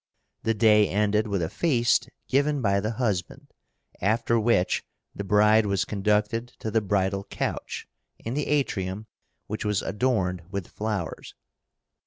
The day ended with a feast given by the husband, after which the bride was conducted to the bridal couch, in the atrium, which was adorned with flowers.